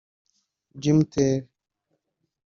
Gemtel